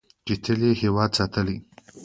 چې تل یې هیواد ساتلی.